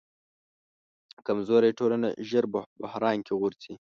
کمزورې ټولنه ژر په بحران کې غورځي.